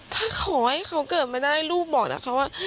ถ้าขอให้เขาเกิดมาได้ลูกบอกนะคะว่า